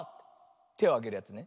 てをあげるやつね。